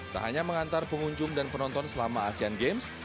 tak hanya mengantar pengunjung dan penonton selama asean games